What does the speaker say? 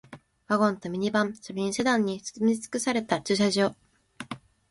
ワゴンとミニバン、それにセダンに埋め尽くされた駐車場